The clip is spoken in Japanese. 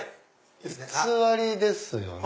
偽りですよね？